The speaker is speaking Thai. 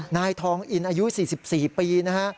นายทองอินอายุ๔๔ปีนะฮะ